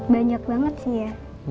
banyak banget sih ya